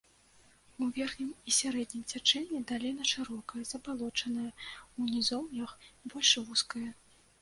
У верхнім і сярэднім цячэнні даліна шырокая забалочаная, у нізоўях больш вузкая.